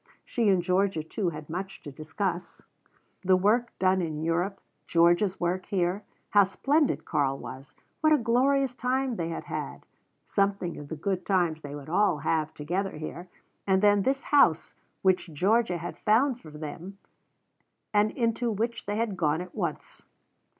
She and Georgia too had much to discuss: the work done in Europe, Georgia's work here, how splendid Karl was, what a glorious time they had had, something of the good times they would all have together here, and then this house which Georgia had found for them and into which they had gone at once.